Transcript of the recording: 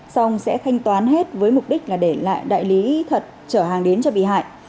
xong sẽ thanh toán hết với mục đích là để lại đại lý thật trở hàng đến cho bị hại